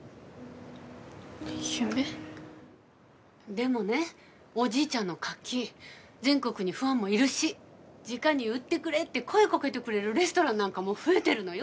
でもねおじいちゃんのカキ全国にファンもいるしじかに売ってくれって声かけてくれるレストランなんかも増えてるのよ。